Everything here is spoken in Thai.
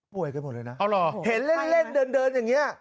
ป่วยกันหมดเลยน่ะเอาเหรอเห็นเล่นเล่นเดินเดินอย่างเงี้ย